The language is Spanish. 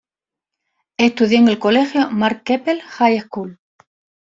Estudió en el colegio Mark Keppel High School.